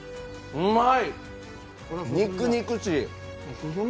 うまい！